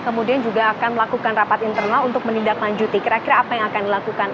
kemudian juga akan melakukan rapat internal untuk menindaklanjuti kira kira apa yang akan dilakukan